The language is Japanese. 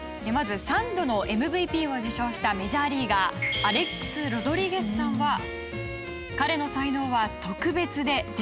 まず３度のＭＶＰを受賞したメジャーリーガーアレックス・ロドリゲスさんは。